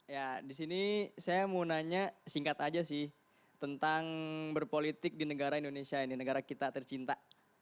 ya di sini saya mau nanya singkat aja sih tentang berpolitik di negara indonesia ini negara kita tercinta